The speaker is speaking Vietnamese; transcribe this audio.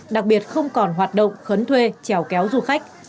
đặc biệt không còn hoạt động khấn thuê trèo kéo du khách